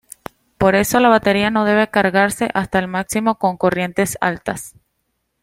Por eso la batería no debe cargarse hasta el máximo con corrientes altas.